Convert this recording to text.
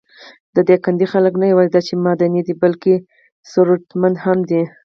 د دايکندي خلک نه یواځې دا چې معدني دي، بلکې ثروتمنده هم دي.